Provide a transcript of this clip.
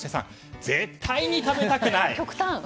３、絶対に食べたくない。